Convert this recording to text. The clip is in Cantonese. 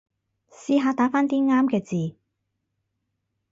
試下打返啲啱嘅字